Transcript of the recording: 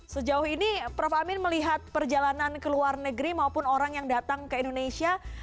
sejauh ini prof amin melihat perjalanan ke luar negeri maupun orang yang datang ke indonesia